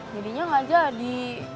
jadinya gak jadi